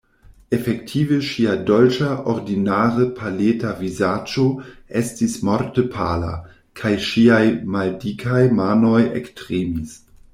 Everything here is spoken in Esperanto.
Efektive ŝia dolĉa, ordinare paleta vizaĝo estis morte pala, kaj ŝiaj maldikaj manoj ektremis.